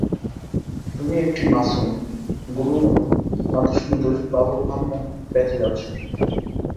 তুমি একটি মাসুম, গোলুমোলু, নাদুসনুদুস বাবুর আম্মু পেতে যাচ্ছ!